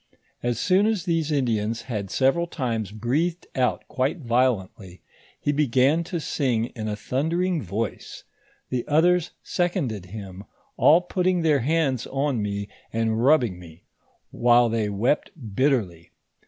As soon as these Indians had several times breathed out quite violently, he began to sing in a thundering voice, the othere seconded him, all put ting their hands on me, and rubbing me, while they wept bitterly.